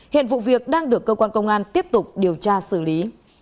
hiện vụ việc đang được cơ quan công an tiếp tục điều tra xử lý